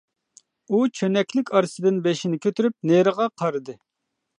ئۇ چۆنەكلىك ئارىسىدىن بېشىنى كۆتۈرۈپ نېرىغا قارىدى.